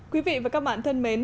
quý vị và các bạn thân mến